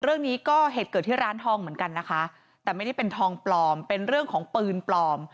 เรื่องนี้ก็เหตุเกิดที่ร้านทองเหมือนกันนะคะแต่ไม่ได้เป็นทองปลอมเป็นเรื่องของปืนปลอม